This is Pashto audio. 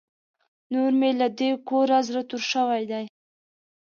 نور مې له دې کوره زړه تور شوی دی.